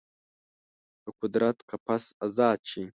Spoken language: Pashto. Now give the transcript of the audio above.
د قدرت قفس ازاد شي